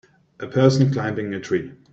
A person climbing a tree.